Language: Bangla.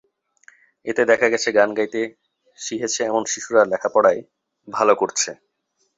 এতে দেখা গেছে গান গাইতে শিখেছে এমন শিশুরা লেখাপড়ায় ভালো করছে।